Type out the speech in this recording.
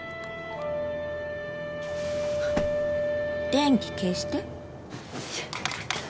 電気消して。